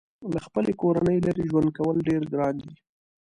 له خپلې کورنۍ لرې ژوند کول ډېر ګران دي.